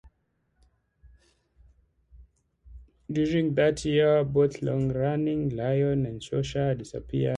During that year, both the long-running "Lion" and "Scorcher" also disappeared.